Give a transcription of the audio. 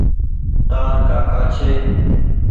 تآر ڪآڪآ ڇي۔